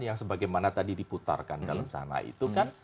yang sebagaimana tadi diputarkan dalam sana itu kan